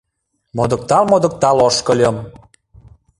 Модыктал-модыктал ошкыльым.